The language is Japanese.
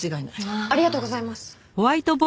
ありがとうございます。